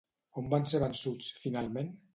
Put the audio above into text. On van ser vençuts finalment?